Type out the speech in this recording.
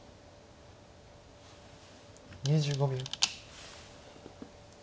２５秒。